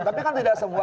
tapi kan tidak semua